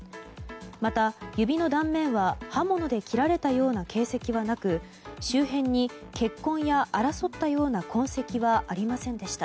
また、指の断面は刃物で切られたような形跡はなく周辺に血痕や争ったような痕跡はありませんでした。